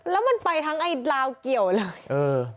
แล้วมันไปทั้งไอ้ลาวเกี่ยวเลยเออ